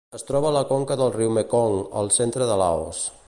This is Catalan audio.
Es troba a la conca del riu Mekong al centre de Laos.